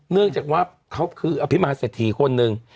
เนื่องจากว่าเขาคืออภิมาเศรษฐีคนหนึ่ง